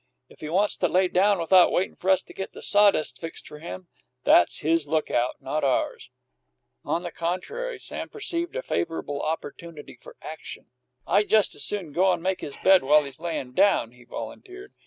If he wants to lay down without waitin' for us to get the sawdust fixed for him, that's his lookout, not ours." On the contrary, Sam perceived a favorable opportunity for action. "I just as soon go and make his bed up while he's layin' down," he volunteered.